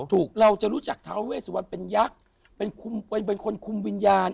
ถูกเราจะรู้จักทาวเวสวันเป็นยักษ์เป็นคนคุมวิญญาณ